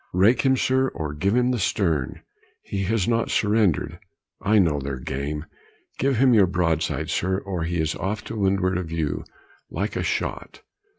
"Rake him, sir, or give him the stern. He has not surrendered. I know their game. Give him your broadside, sir, or he is off to windward of you, like a shot.